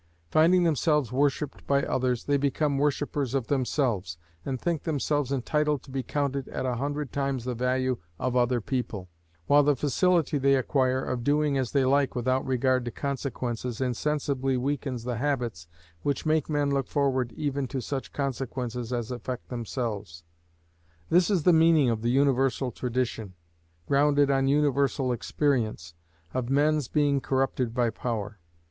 Finding themselves worshipped by others, they become worshippers of themselves, and think themselves entitled to be counted at a hundred times the value of other people, while the facility they acquire of doing as they like without regard to consequences insensibly weakens the habits which make men look forward even to such consequences as affect themselves. This is the meaning of the universal tradition, grounded on universal experience, of men's being corrupted by power.